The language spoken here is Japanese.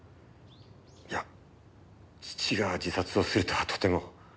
いや父が自殺をするとはとても。